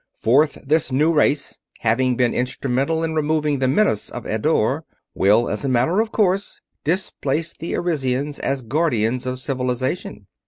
Fourth: this new race, having been instrumental in removing the menace of Eddore, will as a matter of course displace the Arisians as Guardians of Civilization.